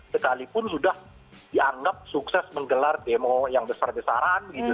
sekalipun sudah dianggap sukses menggelar demo yang besar besaran gitu